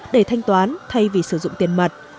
để thanh toán thay vì sử dụng tiền mật